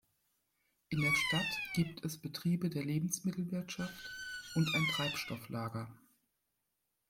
In der Stadt gibt es Betriebe der Lebensmittelwirtschaft und ein Treibstofflager.